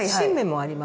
ありますね。